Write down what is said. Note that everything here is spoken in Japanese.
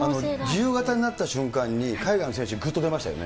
自由形になった瞬間に海外の選手、ぐっと出ましたよね。